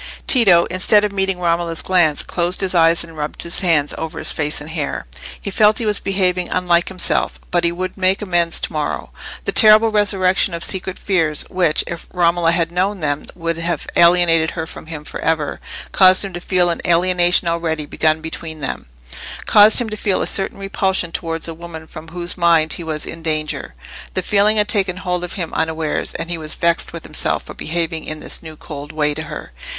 Tito, instead of meeting Romola's glance, closed his eyes and rubbed his hands over his face and hair. He felt he was behaving unlike himself, but he would make amends to morrow. The terrible resurrection of secret fears, which, if Romola had known them, would have alienated her from him for ever, caused him to feel an alienation already begun between them—caused him to feel a certain repulsion towards a woman from whose mind he was in danger. The feeling had taken hold of him unawares, and he was vexed with himself for behaving in this new cold way to her.